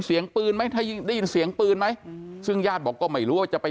เสียงปืนไหมถ้าได้ยินเสียงปืนไหมซึ่งญาติบอกก็ไม่รู้ว่าจะไป